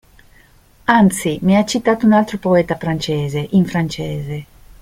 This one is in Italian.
Anzi, mi ha citato un altro poeta francese, in francese.